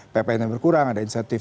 ppn nya berkurang ada insentif